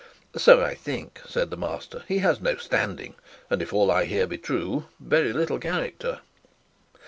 'So I think,' said the master. 'He has no standing, and, if all I hear be true, very little character.'